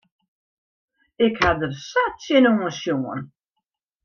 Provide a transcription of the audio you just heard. Ik ha der sa tsjinoan sjoen.